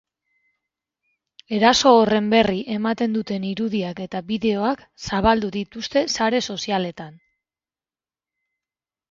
Eraso horren berri ematen duten irudiak eta bideoak zabaldu dituzte sare sozialetan.